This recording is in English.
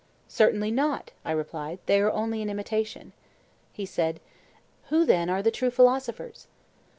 Certainly not, I replied; they are only an imitation. He said: Who then are the true philosophers?